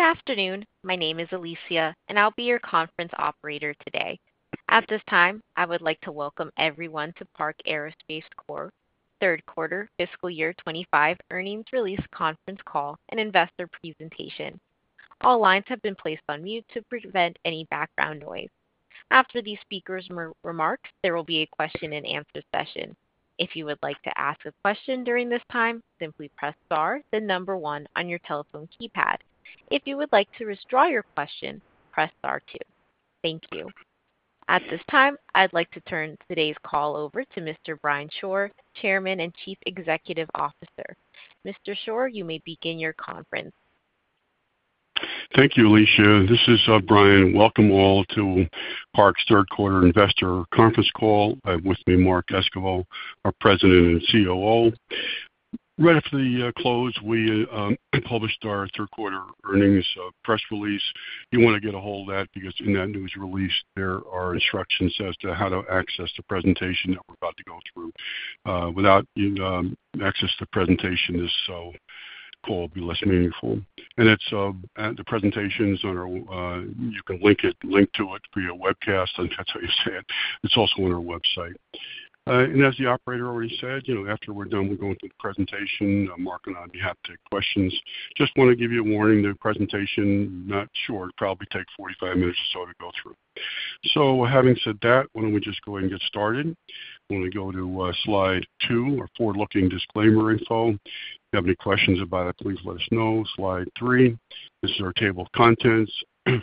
Good afternoon. My name is Alicia, and I'll be your conference operator today. At this time, I would like to welcome everyone to Park Aerospace Corp's Third Quarter, Fiscal Year 2025 Earnings Release Conference Call and Investor Presentation. All lines have been placed on mute to prevent any background noise. After these speakers' remarks, there will be a question-and-answer session. If you would like to ask a question during this time, simply press Star, then number one on your telephone keypad. If you would like to withdraw your question, press Star two. Thank you. At this time, I'd like to turn today's call over to Mr. Brian Shore, Chairman and Chief Executive Officer. Mr. Shore, you may begin your conference. Thank you, Alicia. This is Brian. Welcome all to Park's third quarter investor conference call. I have with me Mark Esquivel, our President and COO. Right after the close, we published our third quarter earnings press release. You want to get a hold of that because in that news release, there are instructions as to how to access the presentation that we're about to go through. Without access to the presentation, this call will be less meaningful, and the presentation is on our, you can link to it via webcast. That's how you say it. It's also on our website, and as the operator already said, after we're done, we're going through the presentation. Mark and I will have questions. Just want to give you a warning. The presentation, I'm not sure, will probably take 45 minutes or so to go through. So having said that, why don't we just go ahead and get started? I want to go to slide two, our forward-looking disclaimer info. If you have any questions about it, please let us know. Slide three, this is our table of contents.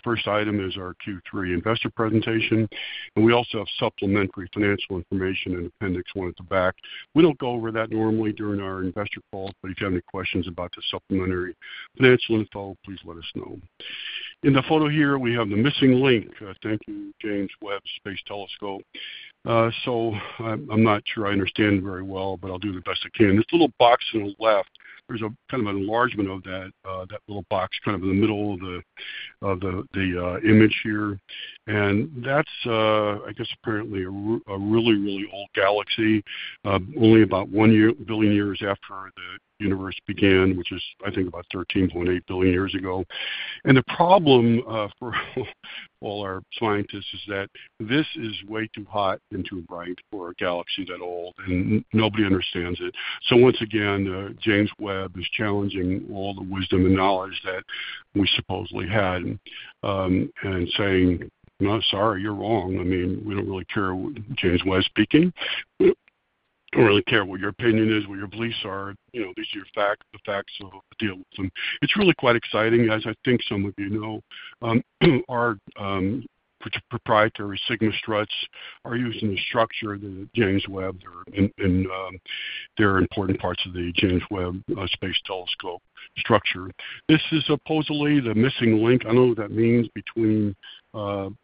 First item is our Q3 investor presentation. And we also have supplementary financial information in appendix one at the back. We don't go over that normally during our investor calls, but if you have any questions about the supplementary financial info, please let us know. In the photo here, we have the missing link. Thank you, James Webb Space Telescope. So I'm not sure I understand it very well, but I'll do the best I can. This little box on the left, there's a kind of an enlargement of that little box kind of in the middle of the image here. That's, I guess, apparently a really, really old galaxy, only about one billion years after the universe began, which is, I think, about 13.8 billion years ago. The problem for all our scientists is that this is way too hot and too bright for a galaxy that old, and nobody understands it. Once again, James Webb is challenging all the wisdom and knowledge that we supposedly had and saying, "No, sorry, you're wrong." I mean, we don't really care what James Webb is speaking. We don't really care what your opinion is, what your beliefs are. These are the facts of dealing with them. It's really quite exciting, as I think some of you know. Our proprietary Sigma Struts are using the structure of the James Webb. They're important parts of the James Webb Space Telescope structure. This is supposedly the missing link. I don't know what that means between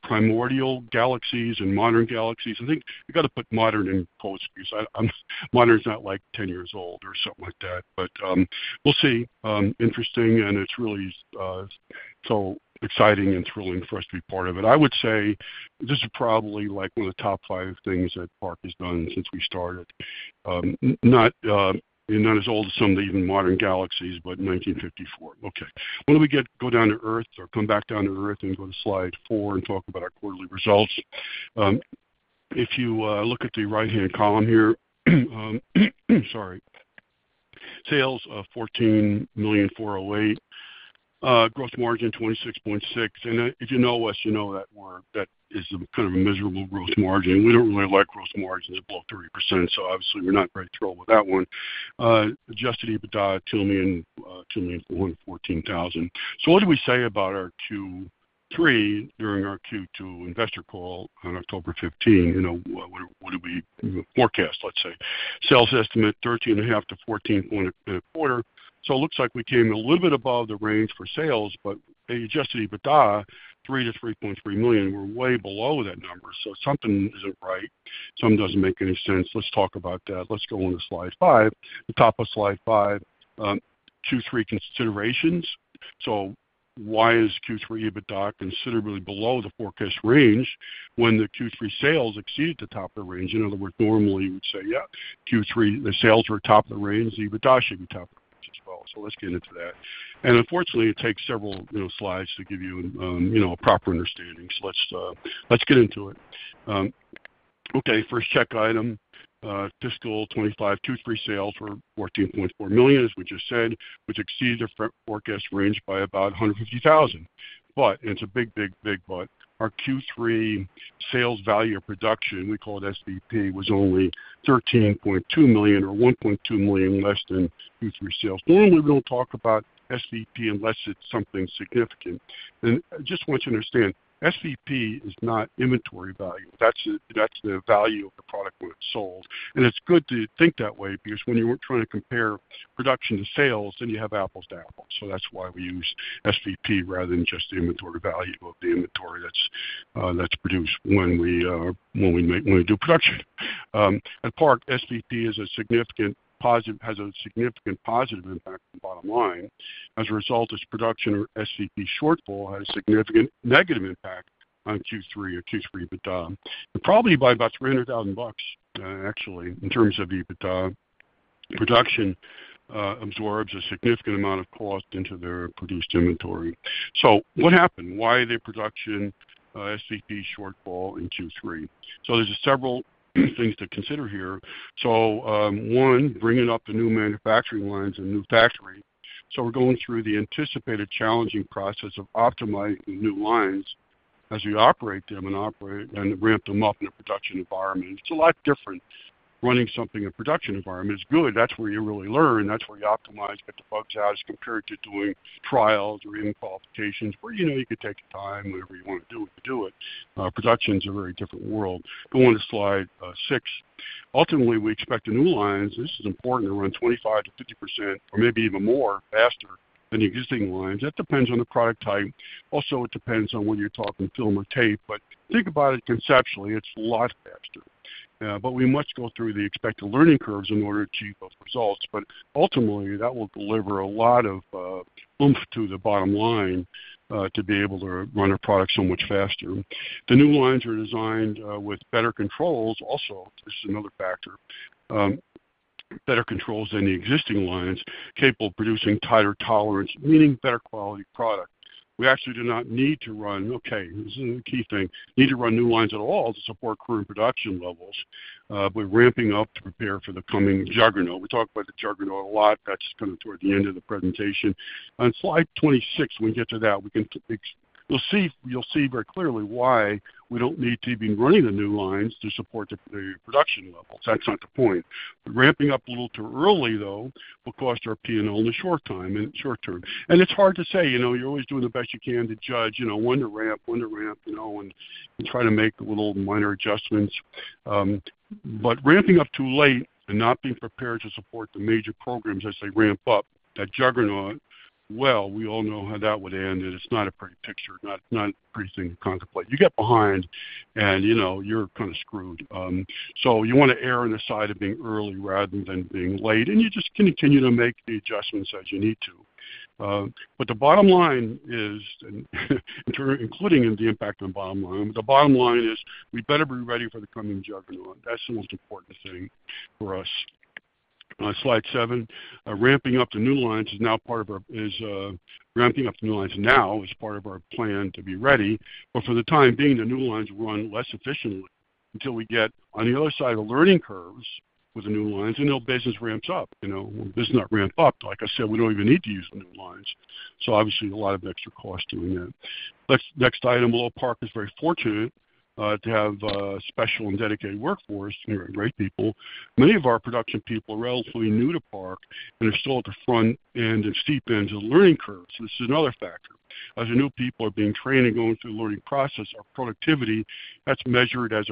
primordial galaxies and modern galaxies. I think you got to put modern in quotes because modern is not like 10 years old or something like that, but we'll see. Interesting, and it's really so exciting and thrilling for us to be part of it. I would say this is probably like one of the top five things that Park has done since we started. Not as old as some of the even modern galaxies, but 1954. Okay. Why don't we go down to Earth or come back down to Earth and go to slide four and talk about our quarterly results? If you look at the right-hand column here, sorry, sales of 14,408, gross margin 26.6%. And if you know us, you know that we're, that is kind of a miserable gross margin. We don't really like gross margins above 30%, so obviously, we're not very thrilled with that one. Adjusted EBITDA $2,114,000. So what did we say about our Q3 during our Q2 investor call on October 15? What did we forecast, let's say? Sales estimate $13.5-$14, a quarter. So it looks like we came a little bit above the range for sales, but adjusted EBITDA $3 million-$3.3 million. We're way below that number. So something isn't right. Something doesn't make any sense. Let's talk about that. Let's go on to slide five. The top of slide five, Q3 considerations. So why is Q3 EBITDA considerably below the forecast range when the Q3 sales exceeded the top of the range? In other words, normally, you would say, "Yeah, Q3, the sales were top of the range. The EBITDA should be top of the range as well," so let's get into that, and unfortunately, it takes several slides to give you a proper understanding, so let's get into it. Okay. First check item, fiscal 2025 Q3 sales were $14.4 million, as we just said, which exceeded the forecast range by about $150,000. But, and it's a big, big, big but, our Q3 sales value of production, we call it SVP, was only $13.2 million or $1.2 million less than Q3 sales. Normally, we don't talk about SVP unless it's something significant, and I just want you to understand, SVP is not inventory value. That's the value of the product when it's sold, and it's good to think that way because when you're trying to compare production to sales, then you have apples to apples. That's why we use SVP rather than just the inventory value of the inventory that's produced when we do production. At Park, SVP has a significant positive impact on the bottom line. As a result, its production or SVP shortfall has a significant negative impact on Q3 or Q3 EBITDA. And probably by about $300,000, actually, in terms of EBITDA, production absorbs a significant amount of cost into their produced inventory. So what happened? Why did production SVP shortfall in Q3? So there's several things to consider here. So one, bringing up the new manufacturing lines and new factories. So we're going through the anticipated challenging process of optimizing new lines as we operate them and ramp them up in a production environment. It's a lot different. Running something in a production environment is good. That's where you really learn. That's where you optimize and get the bugs out as compared to doing trials or even qualifications where you can take your time, whatever you want to do, you do it. Production's a very different world. Going to slide six. Ultimately, we expect the new lines, and this is important, to run 25%-50% or maybe even more faster than existing lines. That depends on the product type. Also, it depends on whether you're talking film or tape. But think about it conceptually. It's a lot faster. But we must go through the expected learning curves in order to achieve those results. But ultimately, that will deliver a lot of oomph to the bottom line to be able to run a product so much faster. The new lines are designed with better controls also. This is another factor. Better controls than the existing lines, capable of producing tighter tolerance, meaning better quality product. We actually do not need to run, okay, this is a key thing, need to run new lines at all to support current production levels by ramping up to prepare for the coming juggernaut. We talk about the juggernaut a lot. That's kind of toward the end of the presentation. On slide 26, when we get to that, you'll see very clearly why we don't need to be running the new lines to support the production levels. That's not the point. Ramping up a little too early, though, will cost our P&L in the short term, and it's hard to say. You're always doing the best you can to judge when to ramp, when to ramp, and try to make the little minor adjustments. But ramping up too late and not being prepared to support the major programs as they ramp up, that juggernaut, well, we all know how that would end. It's not a pretty picture, not a pretty thing to contemplate. You get behind, and you're kind of screwed. So you want to err on the side of being early rather than being late. And you just continue to make the adjustments as you need to. But the bottom line is, including the impact on the bottom line, the bottom line is we better be ready for the coming juggernaut. That's the most important thing for us. Slide seven. Ramping up the new lines now is part of our plan to be ready. But for the time being, the new lines run less efficiently until we get on the other side of learning curves with the new lines, and then business ramps up. This does not ramp up. Like I said, we don't even need to use the new lines. So obviously, a lot of extra cost doing that. Next item, although Park is very fortunate to have a special and dedicated workforce, great people, many of our production people are relatively new to Park and are still at the front end and steep ends of the learning curve. So this is another factor. As new people are being trained and going through the learning process, our productivity, that's measured as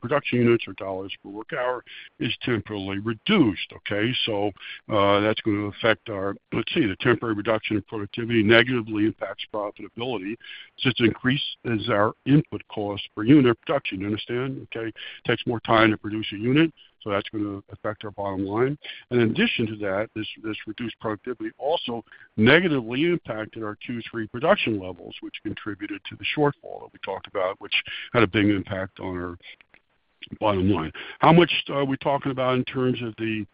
production units or dollars per work hour, is temporarily reduced. Okay? So that's going to affect our, let's see, the temporary reduction of productivity negatively impacts profitability. It's just increased our input cost per unit of production. You understand? Okay. Takes more time to produce a unit. So that's going to affect our bottom line. And in addition to that, this reduced productivity also negatively impacted our Q3 production levels, which contributed to the shortfall that we talked about, which had a big impact on our bottom line. How much are we talking about in terms of the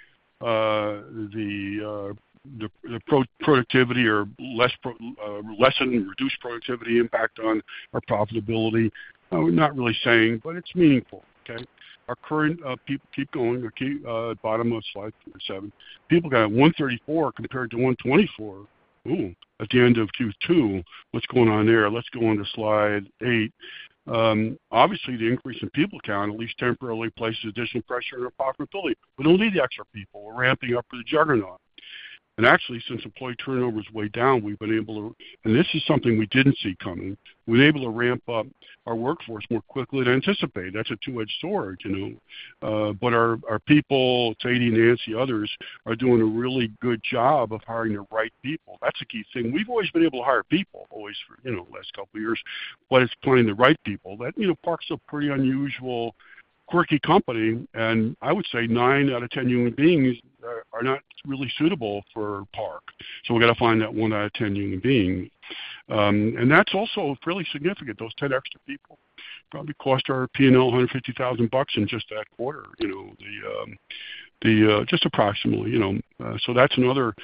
productivity or lessened or reduced productivity impact on our profitability? We're not really saying, but it's meaningful. Okay? Our current, keep going, bottom of slide seven. People count 134 compared to 124. Ooh, at the end of Q2, what's going on there? Let's go on to slide eight. Obviously, the increase in people count, at least temporarily, places additional pressure on our profitability. We don't need the extra people. We're ramping up for the juggernaut. Actually, since employee turnover is way down, we've been able to, and this is something we didn't see coming, we've been able to ramp up our workforce more quickly than anticipated. That's a two-edged sword. But our people, Sadie, Nancy, others are doing a really good job of hiring the right people. That's a key thing. We've always been able to hire people, always, for the last couple of years. But it's finding the right people. Park's a pretty unusual, quirky company. And I would say nine out of 10 human beings are not really suitable for Park. So we got to find that one out of 10 human being. And that's also fairly significant. Those 10 extra people probably cost our P&L $150,000 in just that quarter, just approximately. So that's another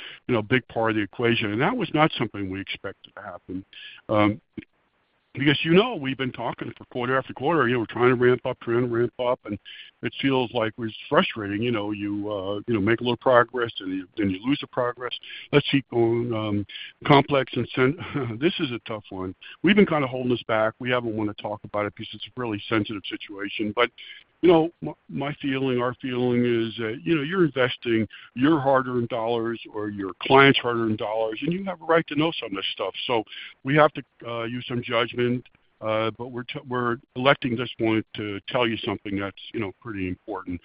big part of the equation. And that was not something we expected to happen. Because we've been talking for quarter after quarter, we're trying to ramp up, trying to ramp up, and it feels like it's frustrating. You make a little progress, and then you lose the progress. Let's keep going. Complex and this is a tough one. We've been kind of holding us back. We haven't wanted to talk about it because it's a really sensitive situation. But my feeling, our feeling is that you're investing your hard-earned dollars or your clients' hard-earned dollars, and you have a right to know some of this stuff. So we have to use some judgment. But we're electing this point to tell you something that's pretty important.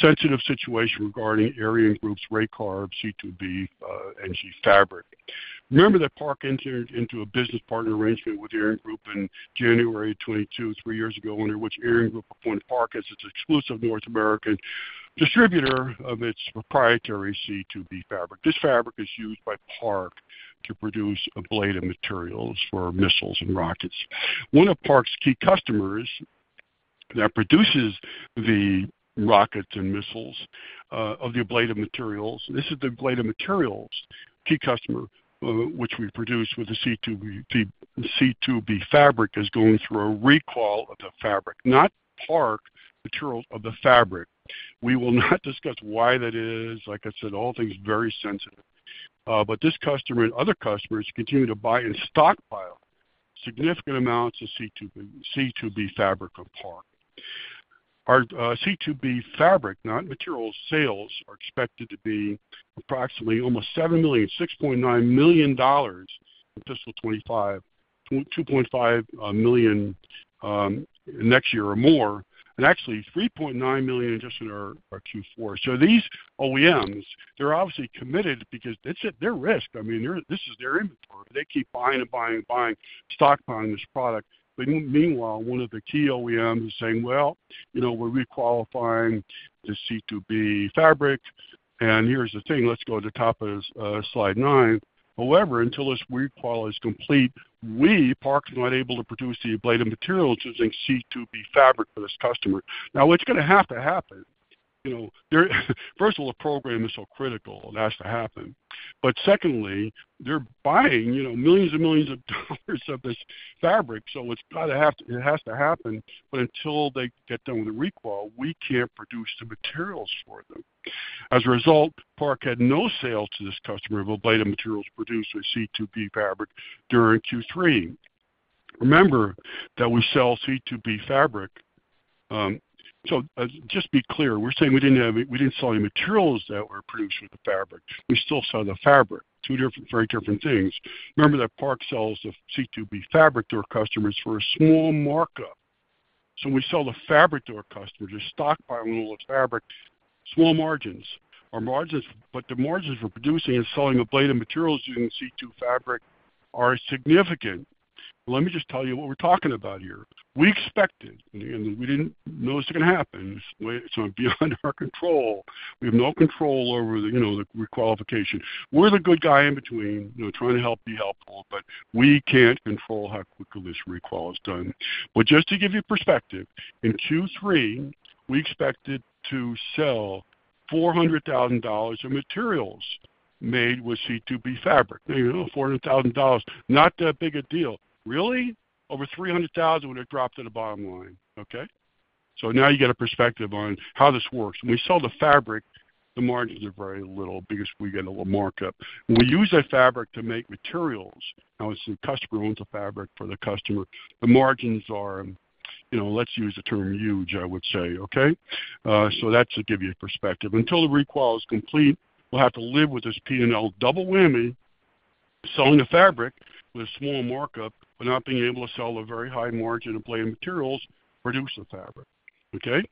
Sensitive situation regarding ArianeGroup's RAYCARB of C2B NG fabric. Remember that Park entered into a business partner arrangement with ArianeGroup in January 2022, three years ago, under which ArianeGroup appointed Park as its exclusive North American distributor of its proprietary C2B fabric. This fabric is used by Park to produce ablative materials for missiles and rockets. One of Park's key customers that produces the rockets and missiles of the ablative materials—this is the ablative materials key customer—which we produce with the C2B fabric is going through a recall of the fabric, not Park material of the fabric. We will not discuss why that is. Like I said, all things very sensitive. But this customer and other customers continue to buy and stockpile significant amounts of C2B fabric of Park. Our C2B fabric, not material sales, are expected to be approximately almost $6.9 million in fiscal 2025, $2.5 million next year or more, and actually $3.9 million just in our Q4. So these OEMs, they're obviously committed because it's at their risk. I mean, this is their inventory. They keep buying and buying and buying, stockpiling this product. But meanwhile, one of the key OEMs is saying, "Well, we're requalifying the C2B fabric." And here's the thing. Let's go to the top of slide nine. However, until this recall is complete, Park's not able to produce the ablative materials using C2B fabric for this customer. Now, it's going to have to happen. First of all, the program is so critical, and it has to happen. But secondly, they're buying millions and millions of dollars of this fabric. So it's got to have to—it has to happen. But until they get done with the recall, we can't produce the materials for them. As a result, Park had no sales to this customer of ablative materials produced with C2B fabric during Q3. Remember that we sell C2B fabric. So just be clear. We're saying we didn't sell any materials that were produced with the fabric. We still sell the fabric. Two very different things. Remember that Park sells the C2B fabric to our customers for a small markup. So we sell the fabric to our customers, just stockpiling all the fabric, small margins. But the margins for producing and selling ablative materials using C2B fabric are significant. Let me just tell you what we're talking about here. We expect it. We didn't know it was going to happen. It's beyond our control. We have no control over the requalification. We're the good guy in between trying to help be helpful, but we can't control how quickly this recall is done. But just to give you perspective, in Q3, we expected to sell $400,000 of materials made with C2B fabric. Now, $400,000, not that big a deal. Really? Over $300,000 would have dropped to the bottom line. Okay? So now you get a perspective on how this works. When we sell the fabric, the margins are very little because we get a little markup. We use that fabric to make materials. Now, it's a customer who owns the fabric for the customer. The margins are, let's use the term huge, I would say. Okay? So that's to give you a perspective. Until the recall is complete, we'll have to live with this P&L double whammy, selling the fabric with a small markup, but not being able to sell a very high margin of ablative materials produced with fabric. Okay?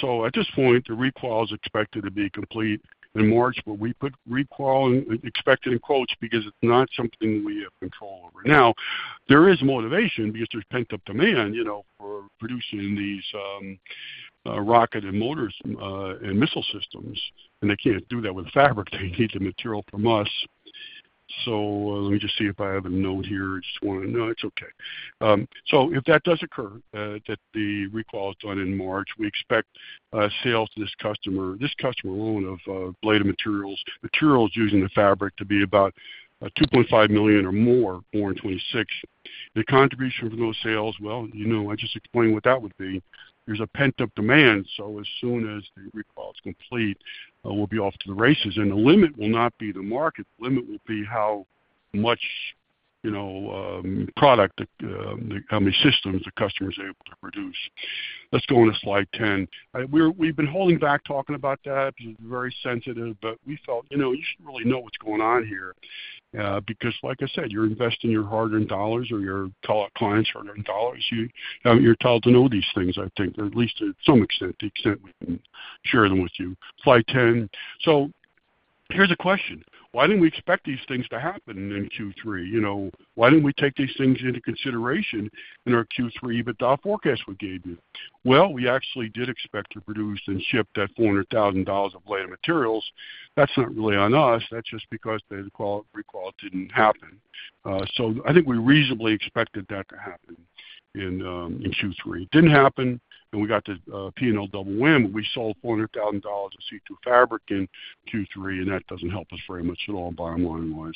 So at this point, the recall is expected to be complete in March, but we put recall and expected in quotes because it's not something we have control over. Now, there is motivation because there's pent-up demand for producing these rocket and missile systems. And they can't do that with fabric. They need the material from us. So let me just see if I have a note here. Just want to know. It's okay. So if that does occur, that the recall is done in March, we expect sales to this customer, this customer alone of ablative materials, materials using the fabric to be about $2.5 million or more in 2026. The contribution from those sales, well, I just explained what that would be. There's a pent-up demand, so as soon as the recall is complete, we'll be off to the races, and the limit will not be the market. The limit will be how much product, how many systems the customer is able to produce. Let's go on to slide 10. We've been holding back talking about that because it's very sensitive, but we felt you should really know what's going on here because, like I said, you're investing your hard-earned dollars or your clients' hard-earned dollars. You're entitled to know these things, I think, at least to some extent, the extent we can share them with you. Slide 10, so here's a question. Why didn't we expect these things to happen in Q3? Why didn't we take these things into consideration in our Q3 EBITDA forecast we gave you? We actually did expect to produce and ship that $400,000 of ablative materials. That's not really on us. That's just because the recall didn't happen. I think we reasonably expected that to happen in Q3. It didn't happen. We got the P&L double whammy. We sold $400,000 of C2B fabric in Q3, and that doesn't help us very much at all bottom line-wise.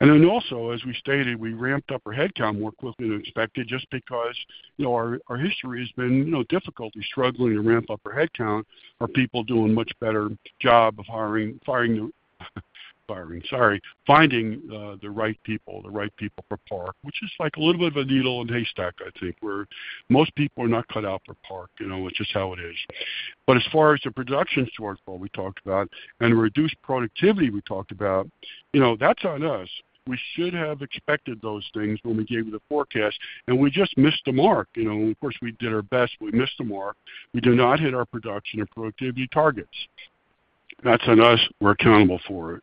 Also, as we stated, we ramped up our headcount more quickly than expected just because our history has been difficulty struggling to ramp up our headcount. Our people do a much better job of hiring the, sorry, finding the right people, the right people for Park, which is like a little bit of a needle in a haystack, I think, where most people are not cut out for Park. It's just how it is. But as far as the production shortfall we talked about and reduced productivity we talked about, that's on us. We should have expected those things when we gave you the forecast, and we just missed the mark. Of course, we did our best. We missed the mark. We did not hit our production and productivity targets. That's on us. We're accountable for it.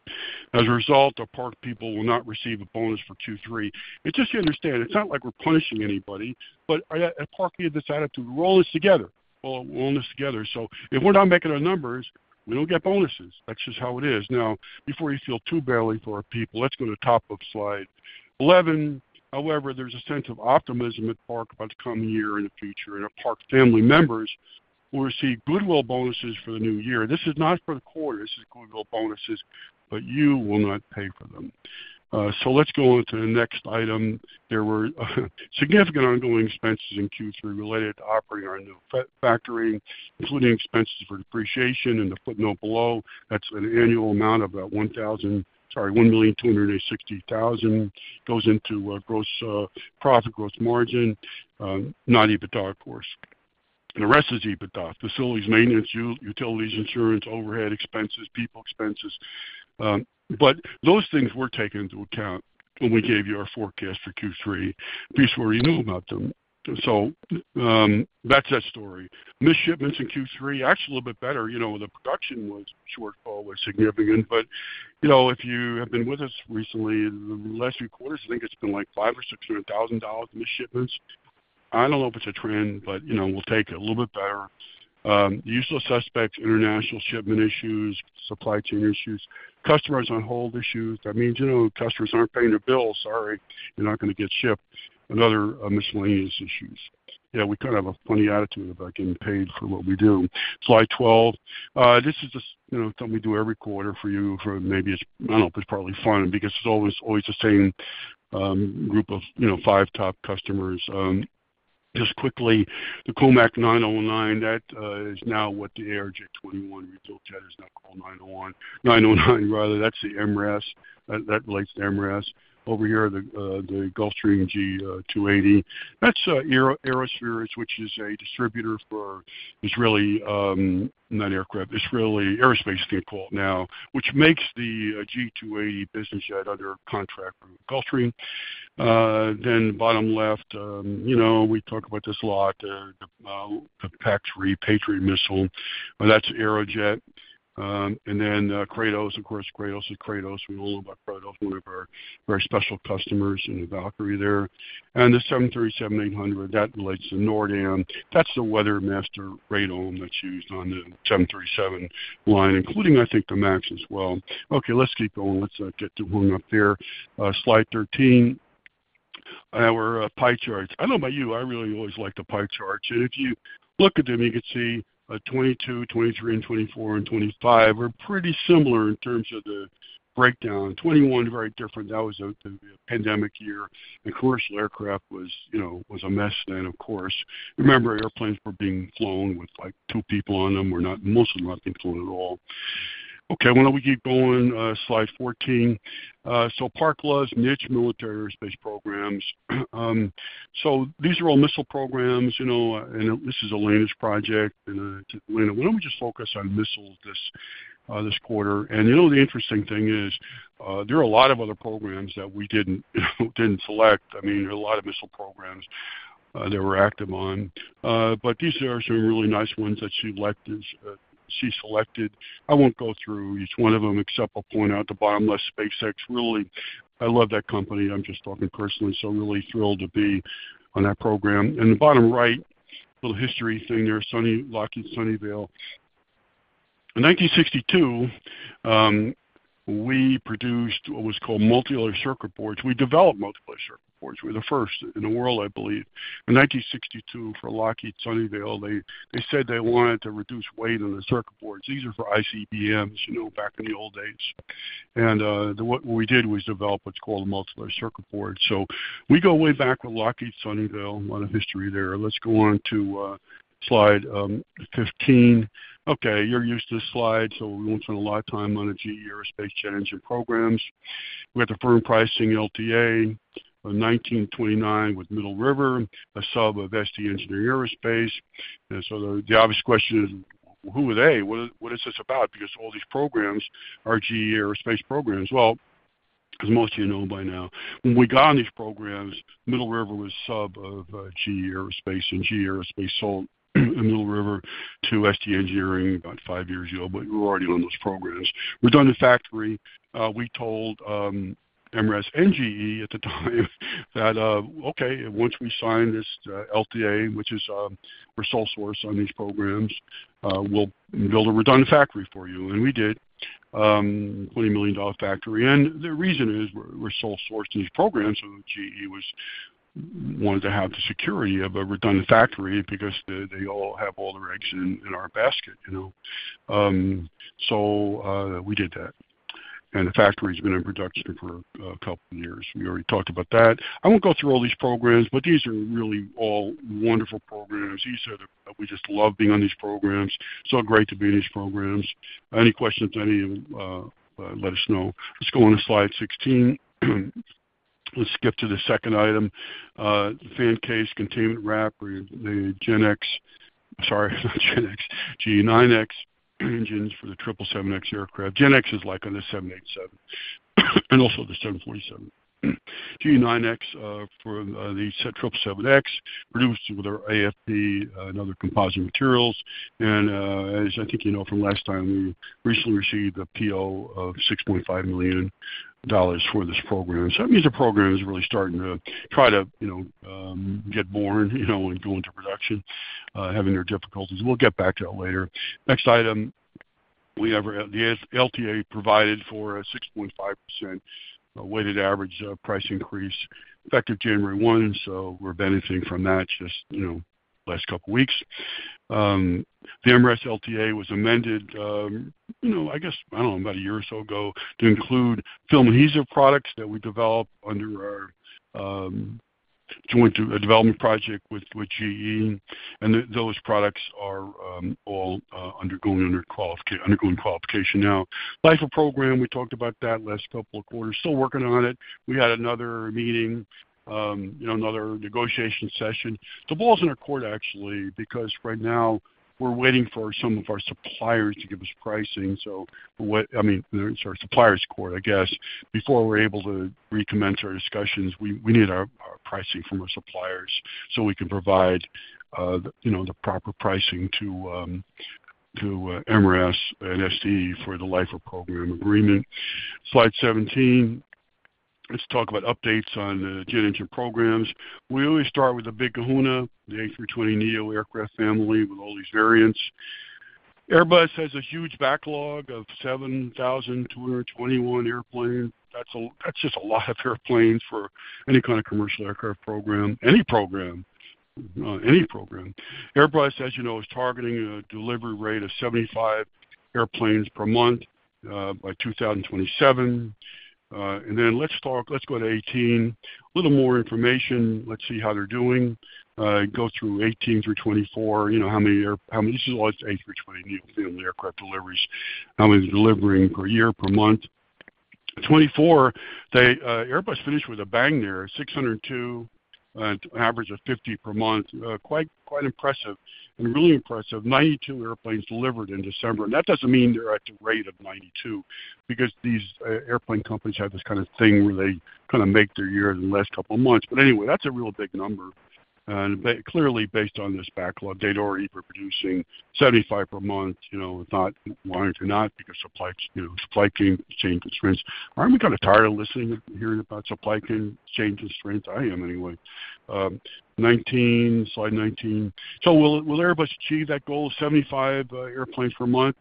As a result, our Park people will not receive a bonus for Q3. It's just to understand, it's not like we're punishing anybody. But at Park, we have this attitude. We're all in this together. Well, we're all in this together. So if we're not making our numbers, we don't get bonuses. That's just how it is. Now, before you feel too badly for our people, let's go to the top of slide 11. However, there's a sense of optimism at Park about the coming year and the future, and our Park family members will receive goodwill bonuses for the new year. This is not for the quarter. This is goodwill bonuses, but you will not pay for them. So let's go on to the next item. There were significant ongoing expenses in Q3 related to operating our new factory, including expenses for depreciation in the footnote below. That's an annual amount of about $1,000, sorry, $1,260,000 goes into gross profit, gross margin, not EBITDA, of course. The rest is EBITDA: facilities, maintenance, utilities, insurance, overhead expenses, people expenses. But those things were taken into account when we gave you our forecast for Q3, but where you knew about them. So that's that story. Missed shipments in Q3, actually a little bit better. The production shortfall was significant. But if you have been with us recently, the last few quarters, I think it's been like $500,000-$600,000 of missed shipments. I don't know if it's a trend, but we'll take it a little bit better. Less shipments, international shipment issues, supply chain issues, customers on hold issues. That means customers aren't paying their bills. Sorry, you're not going to get shipped. Other miscellaneous issues. Yeah, we kind of have a funny attitude about getting paid for what we do. Slide 12. This is something we do every quarter for you. I don't know if it's probably fun because it's always the same group of five top customers. Just quickly, the C909, that is now what the ARJ21 regional jet is now called 909, rather. That's the MRAS. That relates to MRAS. Over here, the Gulfstream G280. That's Aerosphere, which is a distributor for Israeli - not aircraft - Israel Aerospace Industries now, which makes the G280 business jet under contract with Gulfstream. Then bottom left, we talk about this a lot, the PAC-3 Patriot missile. That's Aerojet. And then Kratos, of course. Kratos is Kratos. We all know about Kratos. One of our very special customers in the Valkyrie there. And the 737-800, that relates to NORDAM. That's the WeatherMaster radome that's used on the 737 line, including, I think, the MAX as well. Okay, let's keep going. Let's not get too hung up here. Slide 13. Our pie charts. I don't know about you. I really always like the pie charts. And if you look at them, you can see 2022, 2023, and 2024, and 2025 are pretty similar in terms of the breakdown. 2021, very different. That was a pandemic year. And commercial aircraft was a mess then, of course. Remember, airplanes were being flown with two people on them or mostly not being flown at all. Okay, why don't we keep going? Slide 14. So Park's loss, niche military aerospace programs. So these are all missile programs. And this is a land project. And when we just focus on missiles this quarter. And the interesting thing is there are a lot of other programs that we didn't select. I mean, there are a lot of missile programs that we're active on. But these are some really nice ones that she selected. I won't go through each one of them, except I'll point out the bottom left SpaceX. Really, I love that company. I'm just talking personally. So really thrilled to be on that program. And the bottom right, little history thing there, Lockheed Sunnyvale. In 1962, we produced what was called multi-layer circuit boards. We developed multi-layer circuit boards. We were the first in the world, I believe. In 1962, for Lockheed Sunnyvale, they said they wanted to reduce weight on the circuit boards. These are for ICBMs back in the old days. And what we did was develop what's called a multi-layer circuit board. So we go way back with Lockheed Sunnyvale. A lot of history there. Let's go on to slide 15. Okay, you're used to this slide. So we won't spend a lot of time on the GE Aerospace Jet Engine programs. We got the firm pricing LTA in 2023 with Middle River, a sub of ST Engineering. And so the obvious question is, who are they? What is this about? Because all these programs are GE Aerospace programs. As most of you know by now, when we got on these programs, Middle River was sub of GE Aerospace and GE Aerospace sold Middle River to ST Engineering about five years ago. But we were already on those programs. Redundant factory. We told MRS and GE at the time that, "Okay, once we sign this LTA, which is our sole source on these programs, we'll build a redundant factory for you." And we did, $20 million factory. And the reason is we're sole source in these programs. So GE wanted to have the security of a redundant factory because they all have all the eggs in our basket. So we did that. And the factory has been in production for a couple of years. We already talked about that. I won't go through all these programs, but these are really all wonderful programs. We just love being on these programs. So great to be in these programs. Any questions, let us know. Let's go on to slide 16. Let's skip to the second item. The fan case, containment wrap, or the GEnx. Sorry, not GEnx. GE9X engines for the 777X aircraft. GEnx is like on the 787 and also the 747. GE9X for the 777X produced with our AFP and other composite materials. And as I think you know from last time, we recently received a PO of $6.5 million for this program. So that means the program is really starting to try to get born and go into production, having their difficulties. We'll get back to that later. Next item. We have the LTA provided for a 6.5% weighted average price increase, effective January 1. So we're benefiting from that just the last couple of weeks. The MRAS LTA was amended, I guess, I don't know, about a year or so ago to include film adhesive products that we developed under our joint development project with GE. And those products are all undergoing qualification now. Life of program, we talked about that last couple of quarters. Still working on it. We had another meeting, another negotiation session. The ball's in our court, actually, because right now we're waiting for some of our suppliers to give us pricing. So I mean, sorry, suppliers' court, I guess. Before we're able to recommence our discussions, we need our pricing from our suppliers so we can provide the proper pricing to MRAS and ST for the Life of Program Agreement. Slide 17. Let's talk about updates on the jet engine programs. We always start with the big kahuna, the A320neo aircraft family with all these variants. Airbus has a huge backlog of 7,221 airplanes. That's just a lot of airplanes for any kind of commercial aircraft program, any program. Airbus, as you know, is targeting a delivery rate of 75 airplanes per month by 2027. And then let's go to 18. A little more information. Let's see how they're doing. Go through 18 through 24. How many? This is all A320neo family aircraft deliveries. How many delivering per year, per month? 24. Airbus finished with a bang there, 602, an average of 50 per month. Quite impressive and really impressive. 92 airplanes delivered in December. And that doesn't mean they're at the rate of 92 because these airplane companies have this kind of thing where they kind of make their year in the last couple of months. But anyway, that's a real big number. Clearly, based on this backlog, they'd already been producing 75 per month. It's not why or not because supply chain constraints changed. Aren't we kind of tired of listening and hearing about supply chain constraints? I am anyway. Slide 19. So will Airbus achieve that goal of 75 airplanes per month?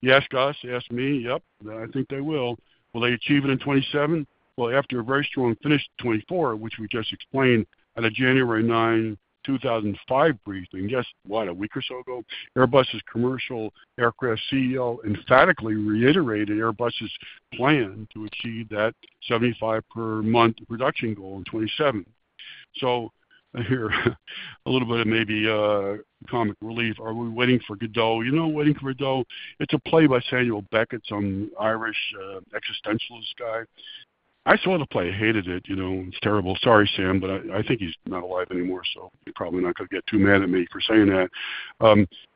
You ask us, you ask me, yep, I think they will. Will they achieve it in 2027? Well, after a very strong finish in 2024, which we just explained at a January 9, 2025 briefing, just what, a week or so ago? Airbus's commercial aircraft CEO emphatically reiterated Airbus's plan to achieve that 75 per month production goal in 2027. So here, a little bit of maybe comic relief. Are we waiting for Godot? You know, waiting for Godot, it's a play by Samuel Beckett, some Irish existentialist guy. I saw the play, hated it. It's terrible. Sorry, Sam, but I think he's not alive anymore, so you're probably not going to get too mad at me for saying that.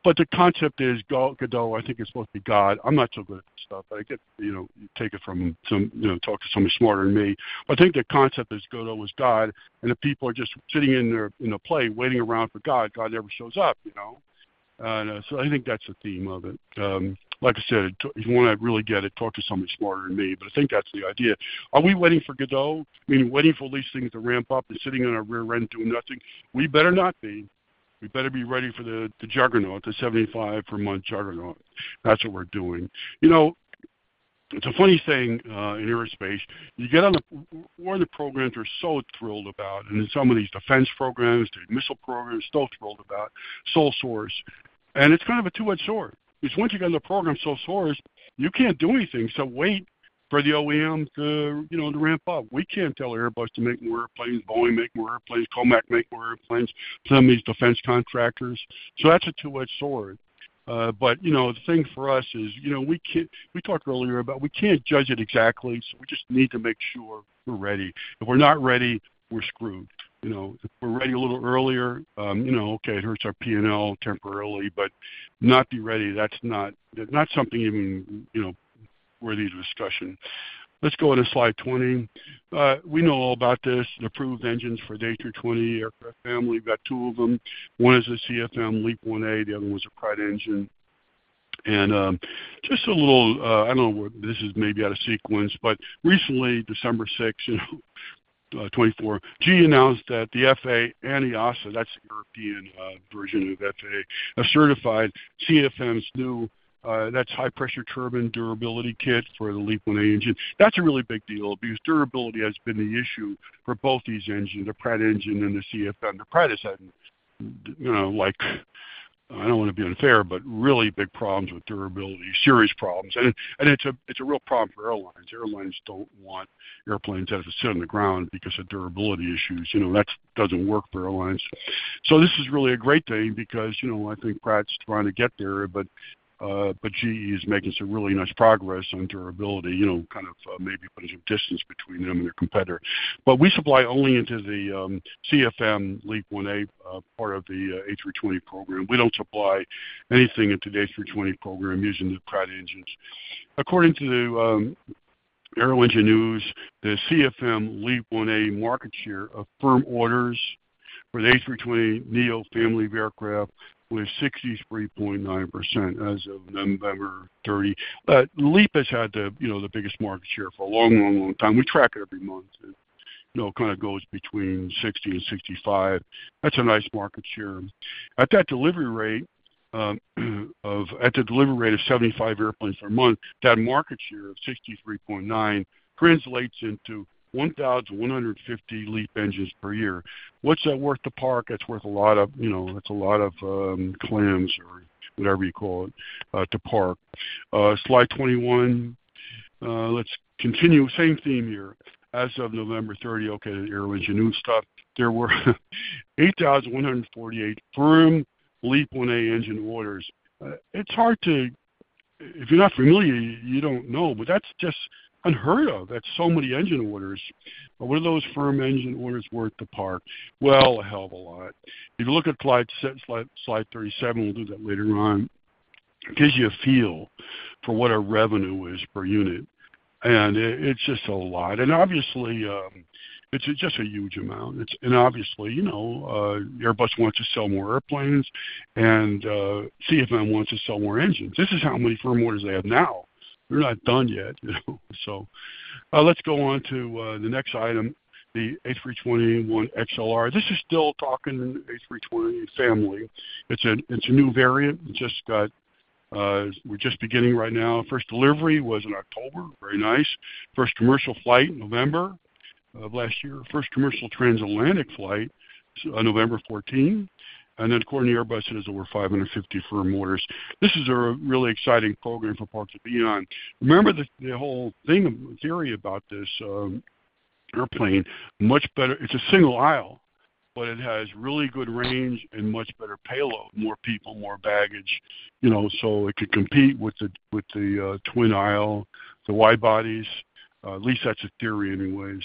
But the concept is Godot. I think it's supposed to be God. I'm not so good at this stuff, but I get you take it from him, talk to somebody smarter than me. But I think the concept is Godot was God, and the people are just sitting in the play waiting around for God. God never shows up. So I think that's the theme of it. Like I said, if you want to really get it, talk to somebody smarter than me. But I think that's the idea. Are we waiting for Godot? I mean, waiting for all these things to ramp up and sitting on our rear end doing nothing? We better not be. We better be ready for the juggernaut, the 75 per month juggernaut. That's what we're doing. It's a funny thing in aerospace. You get on the programs we're so thrilled about, and in some of these defense programs, the missile programs, so thrilled about sole source. And it's kind of a two-edged sword. Once you get on the program, sole source, you can't do anything except wait for the OEM to ramp up. We can't tell Airbus to make more airplanes, Boeing make more airplanes, Comac make more airplanes, some of these defense contractors. So that's a two-edged sword. But the thing for us is we talked earlier about we can't judge it exactly. So we just need to make sure we're ready. If we're not ready, we're screwed. If we're ready a little earlier, okay, it hurts our P&L temporarily, but not be ready, that's not something even worthy of discussion. Let's go to slide 20. We know all about this, the approved engines for the A320 aircraft family. We've got two of them. One is a CFM LEAP-1A. The other one was a Pratt engine. And just a little, I don't know what this is maybe out of sequence, but recently, December 6, 2024, GE announced that the FAA and the EASA, that's the European version of FAA, have certified CFM's new, that's high-pressure turbine durability kit for the LEAP-1A engine. That's a really big deal because durability has been the issue for both these engines, the Pratt engine and the CFM. The Pratt is having like, I don't want to be unfair, but really big problems with durability, serious problems. And it's a real problem for airlines. Airlines don't want airplanes that have to sit on the ground because of durability issues. That doesn't work for airlines. So this is really a great thing because I think Pratt's trying to get there, but GE is making some really nice progress on durability, kind of maybe putting some distance between them and their competitor. But we supply only into the CFM Leap 1A part of the A320 program. We don't supply anything into the A320 program using the Pratt engines. According to the AeroEngine News, the CFM Leap 1A market share of firm orders for the A320neo family of aircraft was 63.9% as of November 30. Leap has had the biggest market share for a long, long, long time. We track it every month. It kind of goes between 60%-65%. That's a nice market share. At that delivery rate of 75 airplanes per month, that market share of 63.9% translates into 1,150 LEAP engines per year. What's that worth to Park? That's worth a lot of, that's a lot of clams or whatever you call it to Park. Slide 21. Let's continue same theme here. As of November 30, okay, the AeroEngine News stuff, there were 8,148 firm LEAP-1A engine orders. It's hard to, if you're not familiar, you don't know, but that's just unheard of. That's so many engine orders. But what are those firm engine orders worth to Park? Well, a hell of a lot. If you look at slide 37, we'll do that later on, it gives you a feel for what our revenue is per unit. And it's just a lot. And obviously, it's just a huge amount. Obviously, Airbus wants to sell more airplanes and CFM wants to sell more engines. This is how many firm orders they have now. They're not done yet. Let's go on to the next item, the A321XLR. This is still talking A320 family. It's a new variant. We're just beginning right now. First delivery was in October, very nice. First commercial flight, November of last year. First commercial transatlantic flight, November 14. Then according to Airbus, it is over 550 firm orders. This is a really exciting program for Park to be on. Remember the whole thing, theory about this airplane, it's a single aisle, but it has really good range and much better payload, more people, more baggage. So it could compete with the twin aisle, the wide bodies. At least that's a theory anyway.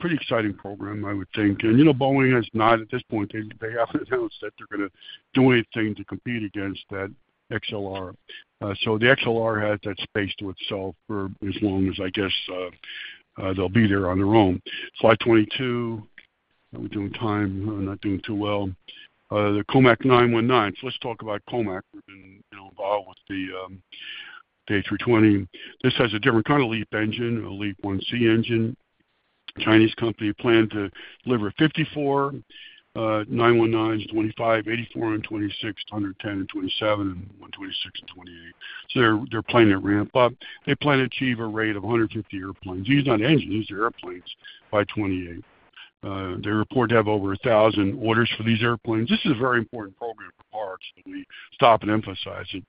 Pretty exciting program, I would think. Boeing has not, at this point, they haven't announced that they're going to do anything to compete against that XLR. So the XLR has that space to itself for as long as I guess they'll be there on their own. Slide 22. Are we doing time? Not doing too well. The C919. So let's talk about Comac. Been involved with the A320. This has a different kind of LEAP engine, a LEAP-1C engine. Chinese company planned to deliver 54 C919s, 25, 84, and 26, 110, and 27, 126, and 28. So they're planning to ramp up. They plan to achieve a rate of 150 airplanes. These are not engines, these are airplanes by 28. They report to have over 1,000 orders for these airplanes. This is a very important program for Park, but we stop and emphasize it.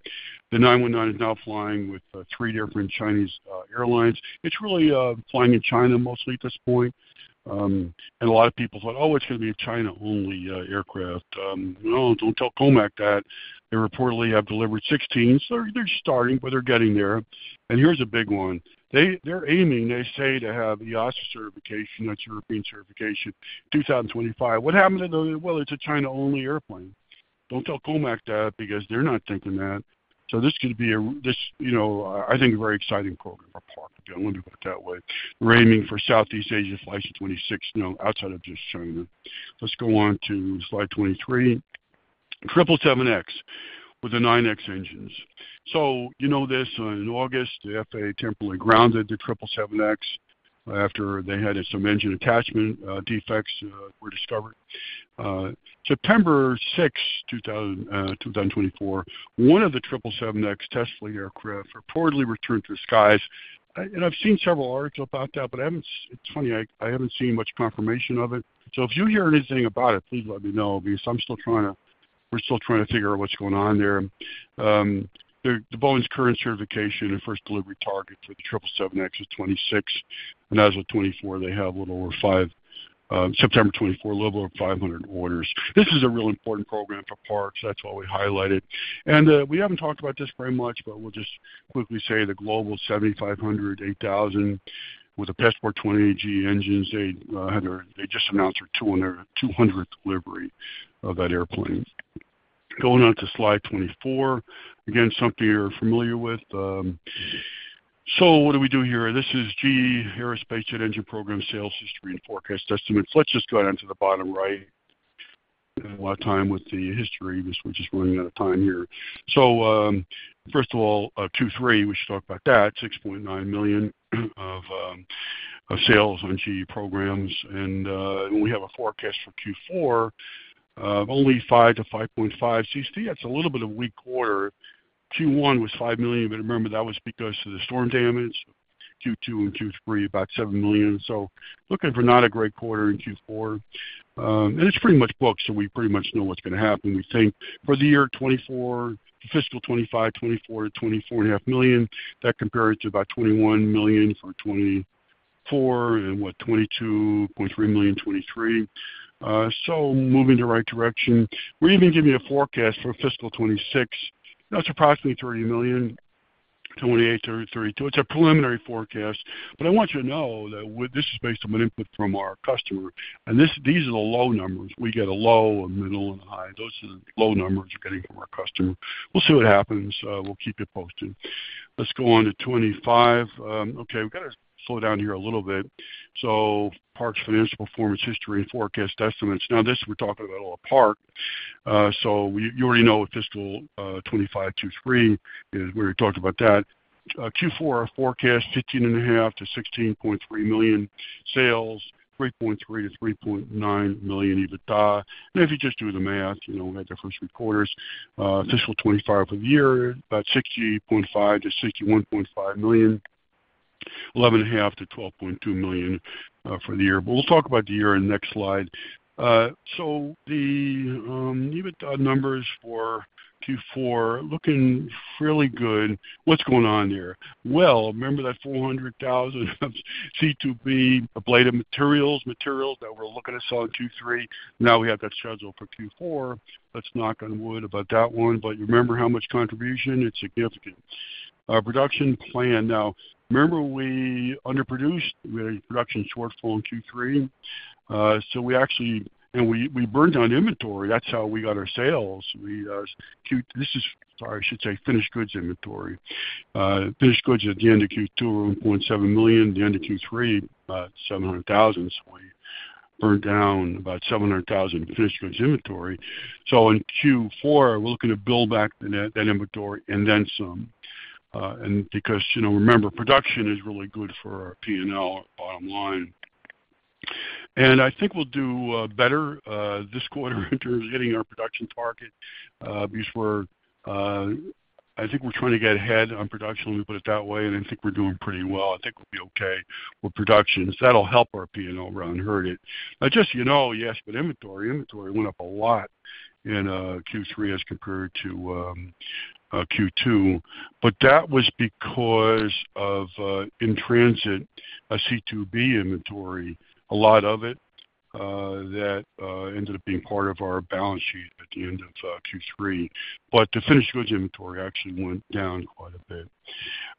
The C919 is now flying with three different Chinese airlines. It's really flying in China mostly at this point. A lot of people thought, "Oh, it's going to be a China-only aircraft." Well, don't tell Comac that. They reportedly have delivered 16. So they're starting, but they're getting there. And here's a big one. They're aiming, they say, to have EASA certification. That's European certification, 2025. What happened to the, "Well, it's a China-only airplane"? Don't tell Comac that because they're not thinking that. So this could be a, I think, a very exciting program for parts. I wonder about that way. We're aiming for Southeast Asia flight to 2026 outside of just China. Let's go on to slide 23. 777X with the GE9X engines. So you know this, in August, the FAA temporarily grounded the 777X after they had some engine attachment defects were discovered. September 6, 2024, one of the 777X test flight aircraft reportedly returned to the skies. And I've seen several articles about that, but it's funny, I haven't seen much confirmation of it. So if you hear anything about it, please let me know because I'm still trying to, we're still trying to figure out what's going on there. The Boeing's current certification and first delivery target for the 777X is 26. And as of 24, they have a little over 5, September 24, a little over 500 orders. This is a real important program for parts. That's why we highlight it. And we haven't talked about this very much, but we'll just quickly say the Global 7500, 8000 with the Passport 20 GE engines. They just announced their 200th delivery of that airplane. Going on to slide 24. Again, something you're familiar with. So what do we do here? This is GE Aerospace Jet Engine Program sales history and forecast estimates. Let's just go down to the bottom right. A lot of time with the history, which is running out of time here. So first of all, Q3, we should talk about that, $6.9 million of sales on GE programs. And we have a forecast for Q4, only $5 million-$5.5 million. That's a little bit of a weak quarter. Q1 was $5 million, but remember that was because of the storm damage. Q2 and Q3, about $7 million. So looking for not a great quarter in Q4. And it's pretty much booked, so we pretty much know what's going to happen. We think for the year 2024, fiscal 2025, $24 million-$24.5 million. That compares to about $21 million for 2024 and what, $22.3 million in 2023. So moving the right direction. We're even giving you a forecast for fiscal 2026. That's approximately $30 million, $28 million-$32 million. It's a preliminary forecast. But I want you to know that this is based on an input from our customer. And these are the low numbers. We get a low, a middle, and a high. Those are the low numbers we're getting from our customer. We'll see what happens. We'll keep you posted. Let's go on to 2025. Okay, we've got to slow down here a little bit. So parts financial performance history and forecast estimates. Now, this we're talking about all parts. So you already know fiscal 2025 Q3 is where we talked about that. Q4 forecast, $15.5 million-$16.3 million sales, $3.3 million-$3.9 million EBITDA. And if you just do the math, we had the first three quarters. Fiscal 2025 for the year, about $60.5 million-$61.5 million, $11.5 million-$12.2 million for the year. We'll talk about the year in the next slide. The EBITDA numbers for Q4 looking fairly good. What's going on there? Remember that $400,000 of C2B, ablative materials, materials that we're looking at selling Q3. Now we have that schedule for Q4. Let's knock on wood about that one. Remember how much contribution? It's significant. Production plan. Remember we underproduced. We had a production shortfall in Q3. So we actually, and we burned down inventory. That's how we got our sales. This is, sorry, I should say finished goods inventory. Finished goods at the end of Q2, $1.7 million. At the end of Q3, about $700,000. So we burned down about $700,000 finished goods inventory. In Q4, we're looking to build back that inventory and then some. And because remember, production is really good for our P&L, our bottom line. And I think we'll do better this quarter in terms of hitting our production target because I think we're trying to get ahead on production. We put it that way. And I think we're doing pretty well. I think we'll be okay with production. That'll help our P&L run. Heard it. Just so you know, yes, but inventory, inventory went up a lot in Q3 as compared to Q2. But that was because of in-transit C2B inventory, a lot of it that ended up being part of our balance sheet at the end of Q3. But the finished goods inventory actually went down quite a bit.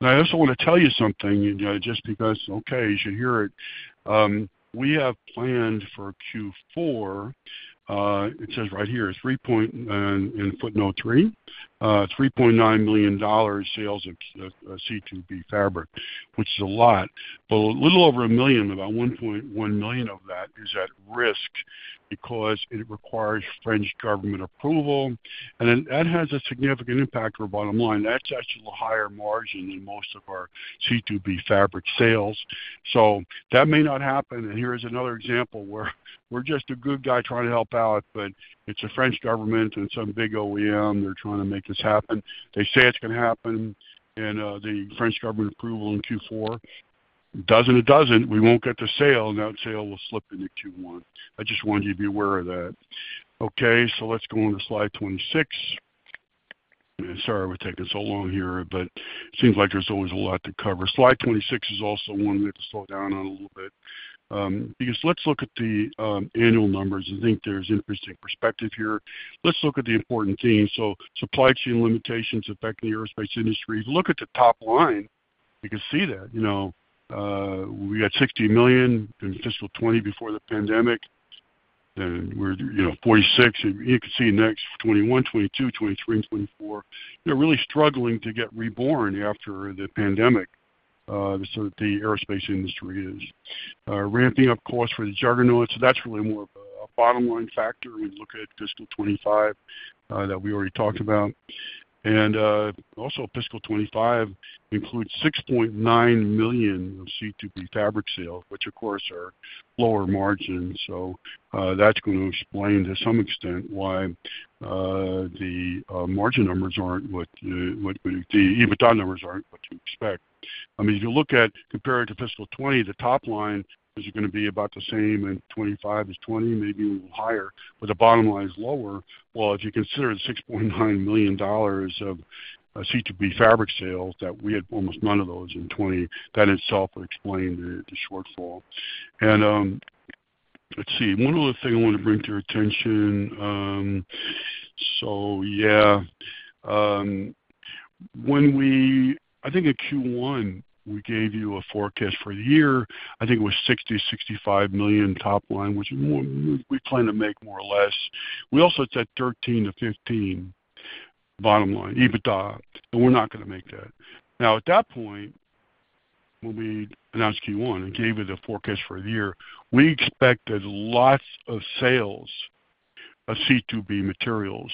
And I also want to tell you something just because, okay, as you hear it, we have planned for Q4. It says right here, 3.9, in footnote 3, $3.9 million sales of C2B fabric, which is a lot. But a little over a million, about 1.1 million of that is at risk because it requires French government approval. And that has a significant impact on our bottom line. That's actually a higher margin than most of our C2B fabric sales. So that may not happen. And here's another example where we're just a good guy trying to help out, but it's a French government and some big OEM. They're trying to make this happen. They say it's going to happen and the French government approval in Q4. Doesn't. It doesn't, we won't get the sale. That sale will slip into Q1. I just want you to be aware of that. Okay, so let's go on to slide 26. Sorry, we're taking so long here, but it seems like there's always a lot to cover. Slide 26 is also one we have to slow down on a little bit. Because let's look at the annual numbers. I think there's interesting perspective here. Let's look at the important themes. So supply chain limitations affecting the aerospace industry. If you look at the top line, you can see that. We got $60 million in fiscal 2020 before the pandemic. Then we're $46 million. And you can see next 2021, 2022, 2023, and 2024. They're really struggling to get reborn after the pandemic. So the aerospace industry is ramping up costs for the juggernaut. So that's really more of a bottom line factor when you look at fiscal 2025 that we already talked about. Also, fiscal 25 includes $6.9 million of C2B fabric sales, which of course are lower margins. So that's going to explain to some extent why the margin numbers aren't what the EBITDA numbers aren't what you expect. I mean, if you look at comparing to fiscal 20, the top line is going to be about the same in 25 as 20, maybe a little higher, but the bottom line is lower. Well, if you consider the $6.9 million of C2B fabric sales that we had almost none of those in 20, that itself would explain the shortfall. And let's see. One other thing I want to bring to your attention. So yeah, when we, I think in Q1, we gave you a forecast for the year. I think it was $60-$65 million top line, which we plan to make more or less. We also said 13-15 bottom line, EBITDA, and we're not going to make that. Now, at that point, when we announced Q1 and gave you the forecast for the year, we expected lots of sales of C2B materials,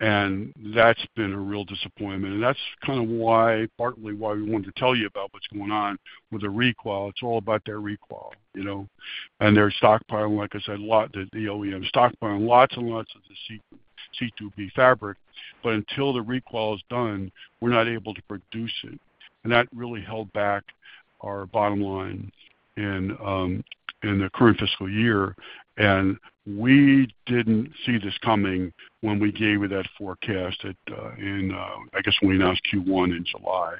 and that's been a real disappointment, and that's kind of why, partly why we wanted to tell you about what's going on with the re-qual. It's all about that re-qual, and their stockpiling, like I said, a lot of the OEM stockpiling lots and lots of the C2B fabric. But until the re-qual is done, we're not able to produce it, and that really held back our bottom line in the current fiscal year. We didn't see this coming when we gave you that forecast in, I guess, when we announced Q1 in July.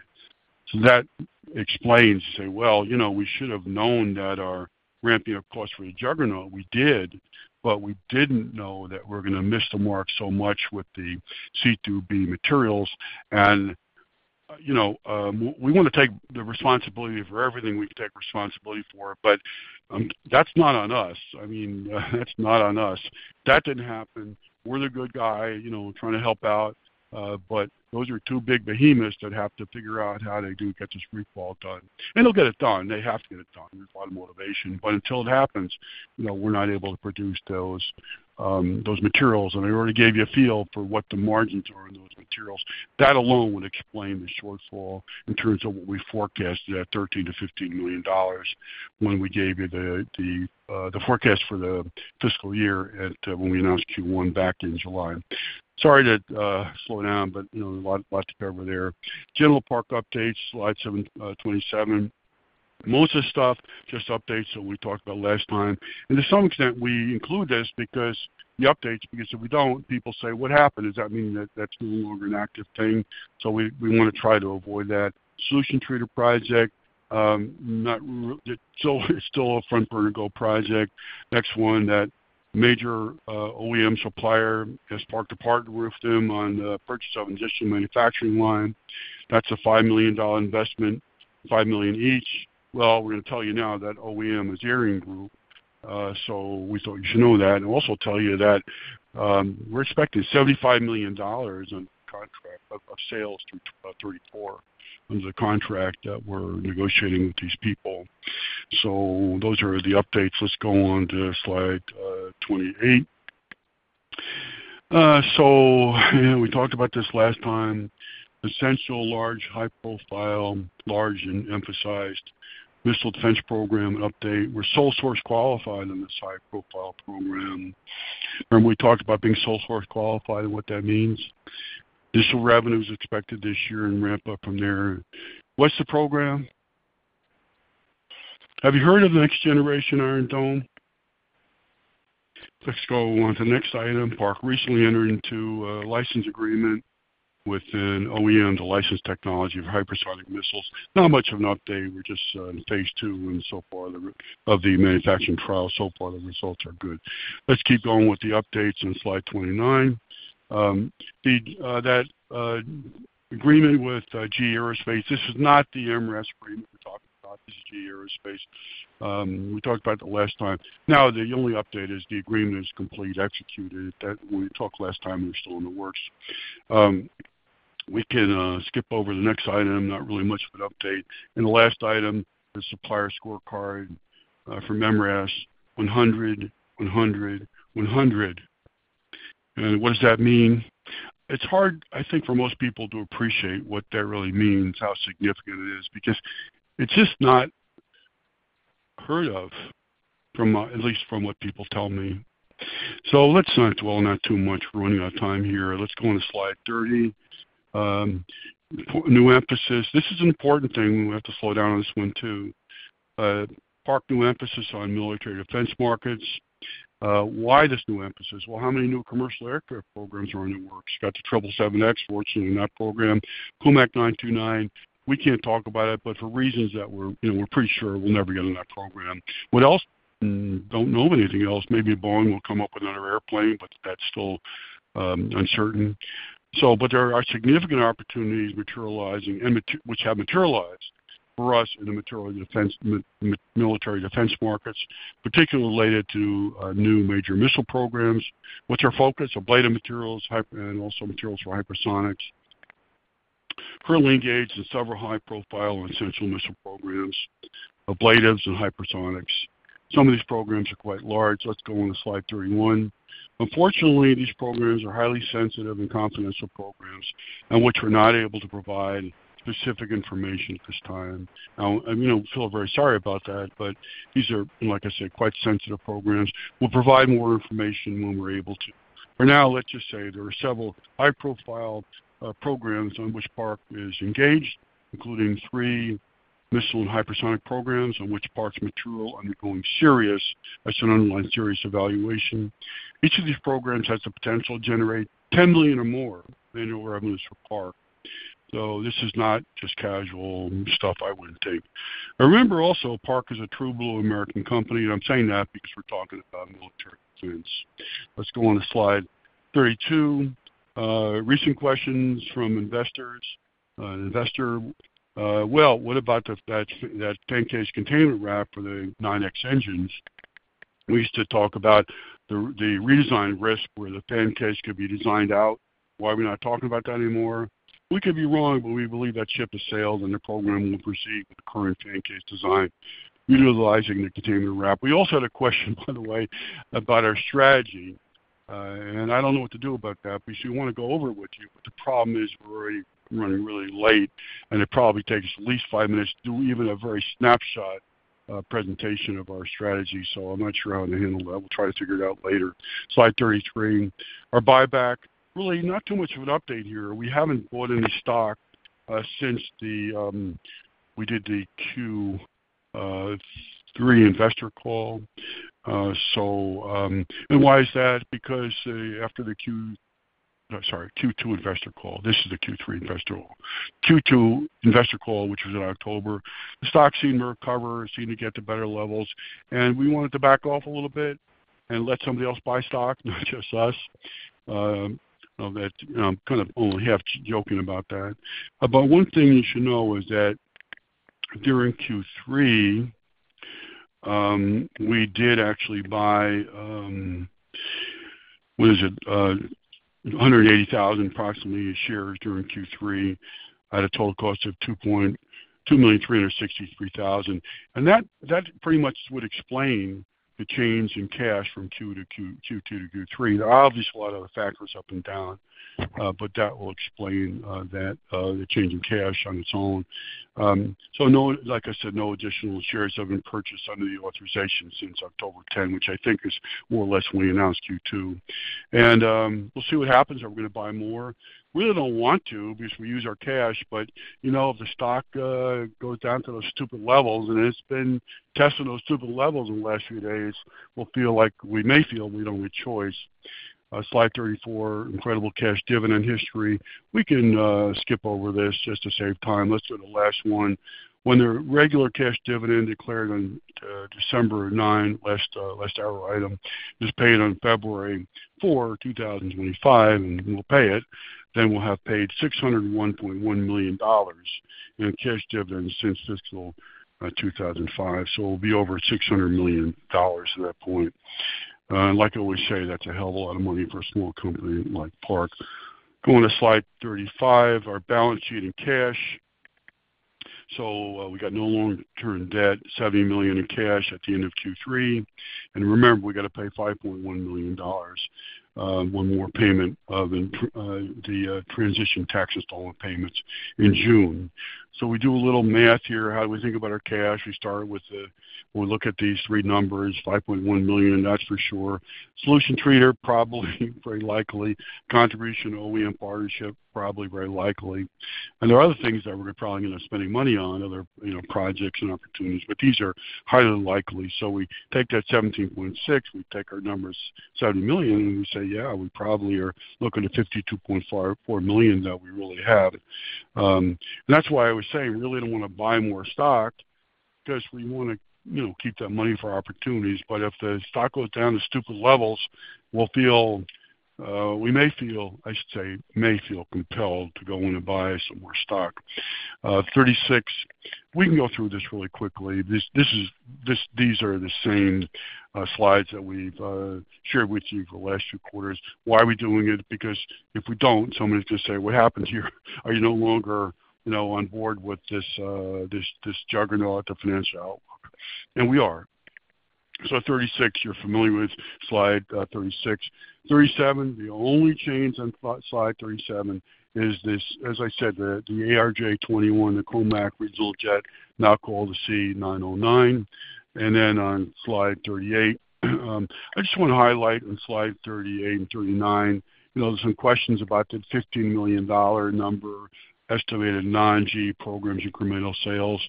So that explains you say, "Well, we should have known that our ramping up costs for the juggernaut, we did, but we didn't know that we're going to miss the mark so much with the C2B materials." And we want to take the responsibility for everything we can take responsibility for, but that's not on us. I mean, that's not on us. That didn't happen. We're the good guy trying to help out, but those are two big behemoths that have to figure out how they do get this retool done. And they'll get it done. They have to get it done. There's a lot of motivation. But until it happens, we're not able to produce those materials. And I already gave you a feel for what the margins are in those materials. That alone would explain the shortfall in terms of what we forecasted at $13 million-$15 million when we gave you the forecast for the fiscal year when we announced Q1 back in July. Sorry to slow down, but lots to cover there. General Park updates, slide 27. Most of the stuff, just updates that we talked about last time. And to some extent, we include this because the updates, because if we don't, people say, "What happened? Does that mean that that's no longer an active thing?" So we want to try to avoid that. Solution Treater Project, still a front-burner-go project. Next one, that major OEM supplier has parked a part with them on the purchase of an additional manufacturing line. That's a $5 million investment, $5 million each. Well, we're going to tell you now that OEM is ArianeGroup. So we thought you should know that. And I'll also tell you that we're expecting $75 million of sales through 2034 under the contract that we're negotiating with these people. So those are the updates. Let's go on to slide 28. So we talked about this last time. Essential, large, high-profile, large, and emphasized missile defense program update. We're sole source qualified in this high-profile program. And we talked about being sole source qualified and what that means. Additional revenues expected this year and ramp up from there. What's the program? Have you heard of the Next Generation Iron Dome? Let's go on to the next item. Park recently entered into a license agreement with an OEM to license the technology for hypersonic missiles. Not much of an update. We're just in phase two of the manufacturing trial so far. So far, the results are good. Let's keep going with the updates on slide 29. That agreement with GE Aerospace, this is not the MRAS agreement we're talking about. This is GE Aerospace. We talked about it last time. Now, the only update is the agreement is complete, executed. When we talked last time, we were still in the works. We can skip over the next item. Not really much of an update, and the last item, the supplier scorecard for MRAS, 100, 100, 100. And what does that mean? It's hard, I think, for most people to appreciate what that really means, how significant it is, because it's just not heard of, at least from what people tell me. So let's not dwell on that too much. We're running out of time here. Let's go on to slide 30. New emphasis. This is an important thing. We have to slow down on this one too. Park's new emphasis on military defense markets. Why this new emphasis? Well, how many new commercial aircraft programs are under work? You got the 777X, fortunately, in that program. Comac C929, we can't talk about it, but for reasons that we're pretty sure we'll never get in that program. What else? Don't know of anything else. Maybe Boeing will come up with another airplane, but that's still uncertain. But there are significant opportunities which have materialized for us in the military defense markets, particularly related to new major missile programs, which are focused on ablative materials and also materials for hypersonics. Currently engaged in several high-profile and essential missile programs, ablatives and hypersonics. Some of these programs are quite large. Let's go on to slide 31. Unfortunately, these programs are highly sensitive and confidential programs, which we're not able to provide specific information at this time. I feel very sorry about that, but these are, like I said, quite sensitive programs. We'll provide more information when we're able to. For now, let's just say there are several high-profile programs on which Park is engaged, including three missile and hypersonic programs on which Park's material is undergoing serious, I should underline serious evaluation. Each of these programs has the potential to generate 10 million or more annual revenues for Park. So this is not just casual stuff, I wouldn't think. Remember also, Park is a true blue American company, and I'm saying that because we're talking about military defense. Let's go on to slide 32. Recent questions from investors. An investor, well, what about that fan case containment wrap for the 9X engines? We used to talk about the redesign risk where the fan case could be designed out. Why are we not talking about that anymore? We could be wrong, but we believe that ship has sailed and the program will proceed with the current fan case design, utilizing the containment wrap. We also had a question, by the way, about our strategy. And I don't know what to do about that, because we want to go over it with you. But the problem is we're running really late, and it probably takes at least five minutes to do even a very snapshot presentation of our strategy. So I'm not sure how to handle that. We'll try to figure it out later. Slide 33. Our buyback, really not too much of an update here. We haven't bought any stock since we did the Q3 investor call. And why is that? Because after the Q sorry, Q2 investor call. This is the Q3 investor call. Q2 investor call, which was in October. The stock seemed to recover, seemed to get to better levels, and we wanted to back off a little bit and let somebody else buy stock, not just us. I'm kind of only half joking about that, but one thing you should know is that during Q3, we did actually buy, what is it, approximately 180,000 shares during Q3 at a total cost of $2,363,000. That pretty much would explain the change in cash from Q2 to Q3. There are obviously a lot of other factors up and down, but that will explain the change in cash on its own. Like I said, no additional shares have been purchased under the authorization since October 10, which I think is more or less when we announced Q2. We'll see what happens. Are we going to buy more? We really don't want to because we use our cash. But if the stock goes down to those stupid levels, and it's been testing those stupid levels in the last few days, we'll feel like we may feel we don't have a choice. Slide 34, incredible cash dividend history. We can skip over this just to save time. Let's go to the last one. When the regular cash dividend declared on December 9, last hour item, is paid on February 4, 2025, and we'll pay it, then we'll have paid $601.1 million in cash dividends since fiscal 2005. So we'll be over $600 million at that point. Like I always say, that's a hell of a lot of money for a small company like Park. Going to slide 35, our balance sheet in cash. So we got no long-term debt, $70 million in cash at the end of Q3. And remember, we got to pay $5.1 million, one more payment of the transition taxes to all the payments in June. So we do a little math here. How do we think about our cash? We start with the, when we look at these three numbers, $5.1 million, that's for sure. Solution Treater, too, probably very likely. Contribution to OEM partnership, probably very likely. And there are other things that we're probably going to spend money on, other projects and opportunities, but these are highly likely. So we take that $17.6 million, we take our numbers, $70 million, and we say, "Yeah, we probably are looking at $52.4 million that we really have." And that's why I was saying we really don't want to buy more stock because we want to keep that money for opportunities. But if the stock goes down to stupid levels, we may feel, I should say, may feel compelled to go in and buy some more stock. 36, we can go through this really quickly. These are the same slides that we've shared with you for the last two quarters. Why are we doing it? Because if we don't, somebody's going to say, "What happened here? Are you no longer on board with this juggernaut, the financial outlook?" And we are. So 36, you're familiar with slide 36. 37, the only change on slide 37 is this, as I said, the ARJ21, the COMAC regional jet, now called the C909. And then on slide 38, I just want to highlight on slide 38 and 39, there's some questions about the $15 million number estimated non-GE programs incremental sales.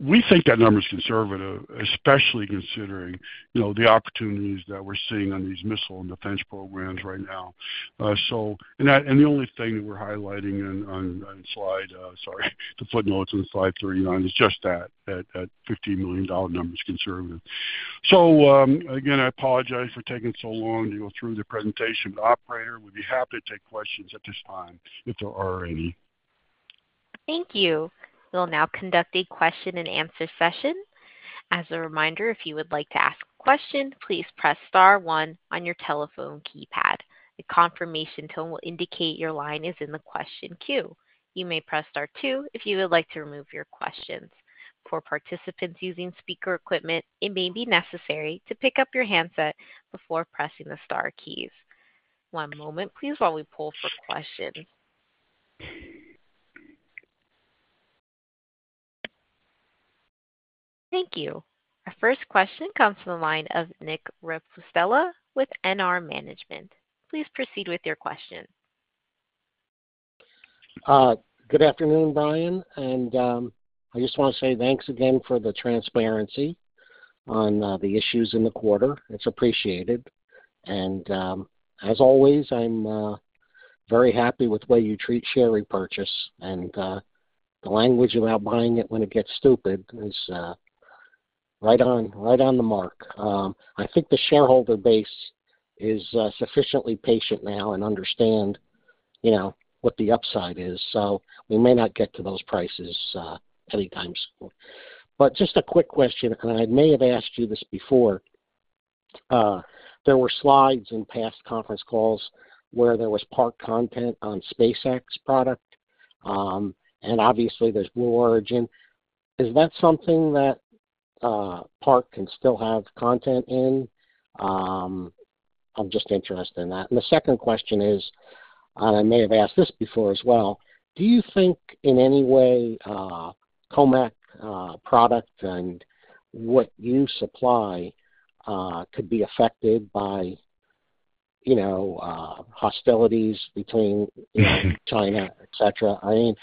We think that number is conservative, especially considering the opportunities that we're seeing on these missile and defense programs right now. And the only thing we're highlighting on slide, sorry, the footnotes on slide 39, is just that, that $15 million number is conservative. So again, I apologize for taking so long to go through the presentation. But operator, we'd be happy to take questions at this time, if there are any. Thank you. We'll now conduct a question-and-answer session. As a reminder, if you would like to ask a question, please press star one on your telephone keypad. A confirmation tone will indicate your line is in the question queue. You may press star two if you would like to remove your questions. For participants using speaker equipment, it may be necessary to pick up your handset before pressing the star keys. One moment, please, while we poll for questions. Thank you. Our first question comes from the line of Nick Ripostella with NR Management. Please proceed with your question. Good afternoon, Brian. And I just want to say thanks again for the transparency on the issues in the quarter. It's appreciated. And as always, I'm very happy with the way you treat share repurchase. And the language about buying it when it gets stupid is right on the mark. I think the shareholder base is sufficiently patient now and understands what the upside is. So we may not get to those prices anytime soon. But just a quick question, and I may have asked you this before. There were slides in past conference calls where there was Park content on SpaceX product. And obviously, there's Blue Origin. Is that something that Park can still have content in? I'm just interested in that. And the second question is, and I may have asked this before as well, do you think in any way COMAC product and what you supply could be affected by hostilities between China, etc.? I mean,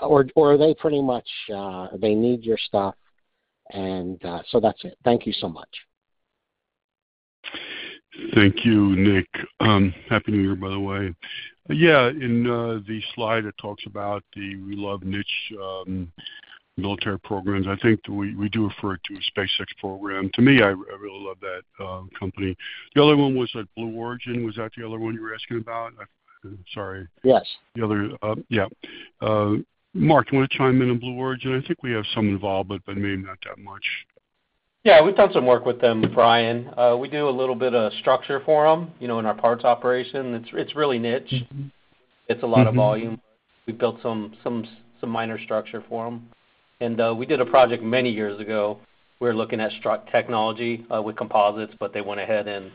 or are they pretty much they need your stuff? And so that's it. Thank you so much. Thank you, Nick. Happy New Year, by the way. Yeah, in the slide, it talks about the We Love Niche Military Programs. I think we do refer to a SpaceX program. To me, I really love that company. The other one was Blue Origin. Was that the other one you were asking about? Sorry. Yes. The other, yeah. Mark, do you want to chime in on Blue Origin? I think we have some involvement, but maybe not that much. Yeah, we've done some work with them, Brian. We do a little bit of structure for them in our parts operation. It's really niche. It's a lot of volume. We built some minor structure for them, and we did a project many years ago. We were looking at strut technology with composites, but they went ahead and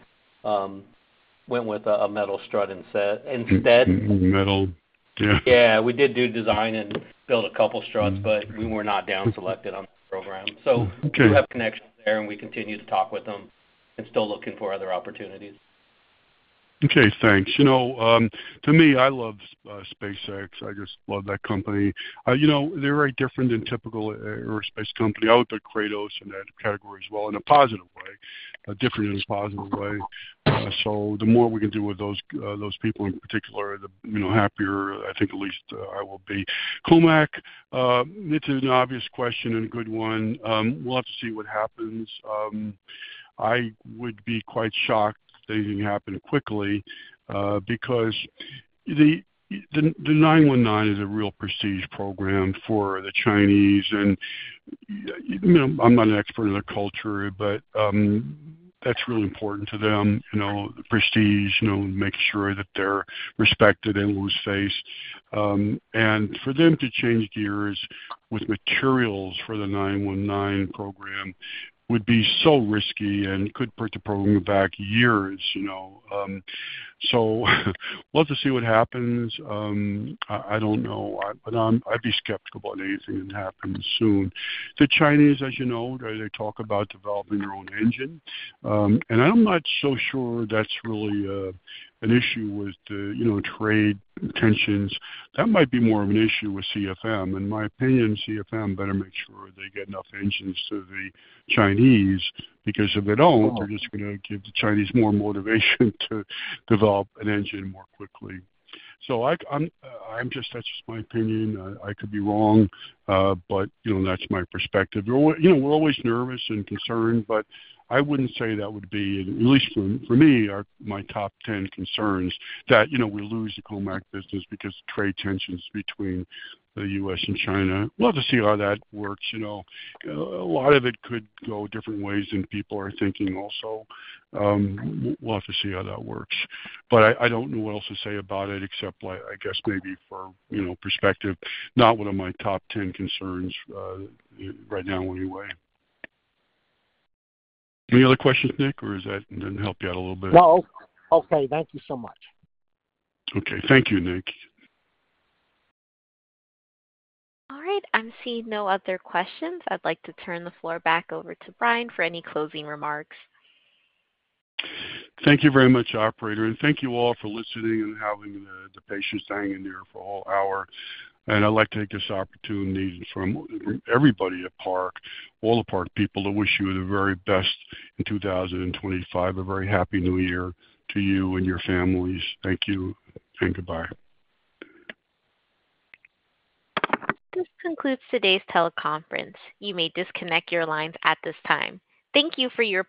went with a metal strut instead. Metal, yeah. Yeah, we did do design and build a couple of struts, but we were not downselected on the program. So we have connections there, and we continue to talk with them and still looking for other opportunities. Okay, thanks. To me, I love SpaceX. I just love that company. They're very different than typical aerospace company. I looked at Kratos in that category as well, in a positive way, a different and positive way. So the more we can do with those people in particular, the happier, I think, at least I will be. Comac, it's an obvious question and a good one. We'll have to see what happens. I would be quite shocked if anything happened quickly because the C919 is a real prestige program for the Chinese. And I'm not an expert in their culture, but that's really important to them, the prestige, making sure that they're respected and lose face. And for them to change gears with materials for the C919 program would be so risky and could put the program back years. So we'll have to see what happens. I don't know, but I'd be skeptical about anything that happens soon. The Chinese, as you know, they talk about developing their own engine. And I'm not so sure that's really an issue with trade tensions. That might be more of an issue with CFM. In my opinion, CFM better make sure they get enough engines to the Chinese because if they don't, they're just going to give the Chinese more motivation to develop an engine more quickly. So that's just my opinion. I could be wrong, but that's my perspective. We're always nervous and concerned, but I wouldn't say that would be, at least for me, my top 10 concerns that we lose the Comac business because of trade tensions between the U.S. and China. We'll have to see how that works. A lot of it could go different ways than people are thinking also. We'll have to see how that works. But I don't know what else to say about it, except I guess maybe for perspective, not one of my top 10 concerns right now anyway. Any other questions, Nick, or is that going to help you out a little bit? No. Okay. Thank you so much. Okay. Thank you, Nick. All right. I'm seeing no other questions. I'd like to turn the floor back over to Brian for any closing remarks. Thank you very much, operator. And thank you all for listening and having the patience to hang in there for a whole hour. And I'd like to take this opportunity from everybody at Park, all the Park people, to wish you the very best in 2025, a very happy New Year to you and your families. Thank you and goodbye. This concludes today's teleconference. You may disconnect your lines at this time. Thank you for your.